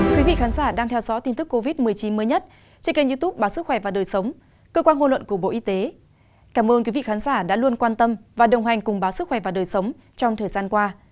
cảm ơn quý vị khán giả đã luôn quan tâm và đồng hành cùng báo sức khỏe và đời sống trong thời gian qua